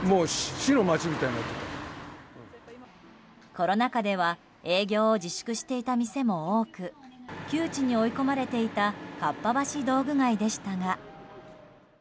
コロナ禍では営業を自粛していた店も多く窮地に追い込まれていたかっぱ橋道具街でしたが。